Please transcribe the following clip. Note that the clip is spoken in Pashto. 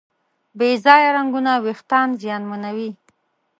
بې ځایه رنګونه وېښتيان زیانمنوي.